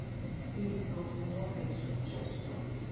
Il profumo del successo